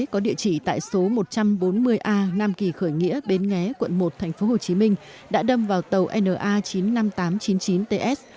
có địa chỉ tại số một trăm bốn mươi a nam kỳ khởi nghĩa bến nghé quận một tp hcm đã đâm vào tàu na chín mươi năm nghìn tám trăm chín mươi chín ts